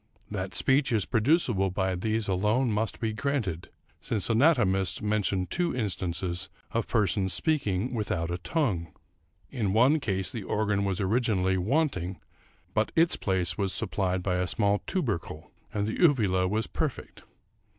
That speech is producible by these alone must be granted, since anatomists mention two instances of persons speaking without a tongue. In one case the organ was originally wanting, but its place was supplied by a small tubercle, and the uvula was perfect.